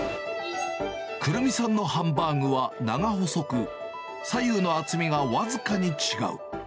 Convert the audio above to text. くるみさんのハンバーグは長細く、左右の厚みが僅かに違う。